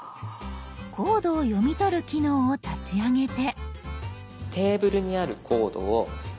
コードを読み取る機能を立ち上げて。